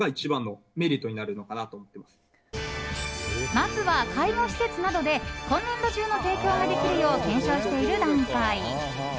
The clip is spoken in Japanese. まずは、介護施設などで今年度中の提供ができるよう検証している段階。